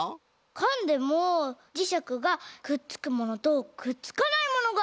かんでもじしゃくがくっつくものとくっつかないものがあるんだ！